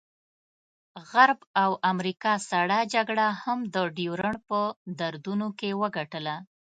غرب او امریکا سړه جګړه هم د ډیورنډ په دردونو کې وګټله.